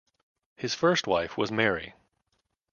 His first wife was Mary.